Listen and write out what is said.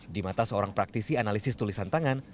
di mata seorang praktisi analisis tulisan tangan